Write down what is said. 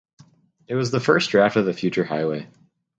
It was the first draft of the future highway.